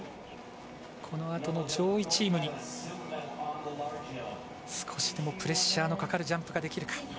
このあとの上位チームに少しでもプレッシャーのかかるジャンプができるか。